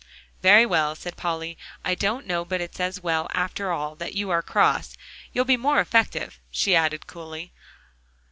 "Very well," said Polly, "I don't know but it's as well, after all, that you are cross; you'll be more effective," she added coolly.